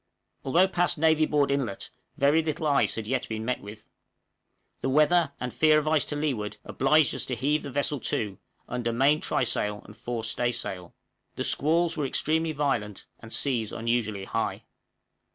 Although past Navy Board Inlet, very little ice had yet been met with. The weather, and fear of ice to leeward, obliged us to heave the vessel to, under main trysail and fore staysail. The squalls were extremely violent and seas unusually high.